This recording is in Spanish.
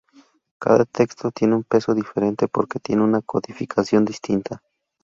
Cada texto tiene un peso diferente porque tiene una codificación distinta.